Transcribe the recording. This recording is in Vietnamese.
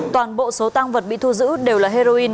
toàn bộ số tăng vật bị thu giữ đều là heroin